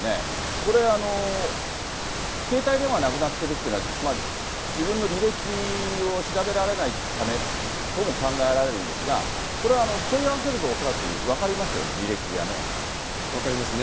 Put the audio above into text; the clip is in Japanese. これ、携帯電話なくなってるっていうのは、自分の履歴を調べられないためとも考えられるんですが、これ、問い合わせれば、恐らく、分かりますよね、分かりますね。